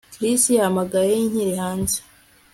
Chris yahamagaye nkiri hanze